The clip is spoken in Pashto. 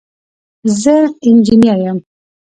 زه انجينر يم.